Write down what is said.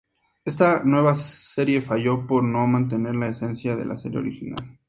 Esta nueva serie falló por no mantener la esencia de la serie original.